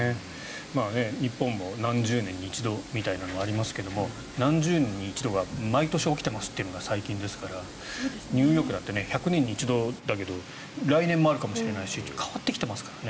日本も何十年に一度みたいなのありますけど何十年に一度が毎年起きているのが最近ですからニューヨークだって１００年に一度だけど来年もあるかもしれないしって変わってきてますからね。